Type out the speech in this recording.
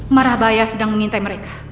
marah bahaya sedang mengintai mereka